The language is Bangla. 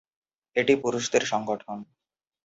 এটি পুরুষদের সংগঠন।